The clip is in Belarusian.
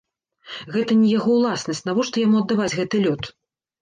Гэта не яго ўласнасць, навошта яму аддаваць гэты лёд?